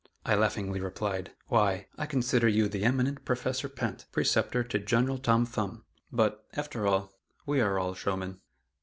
I laughingly replied, "Why, I consider you the eminent Professor Pinte, preceptor to General Tom Thumb; but, after all, we are all showmen."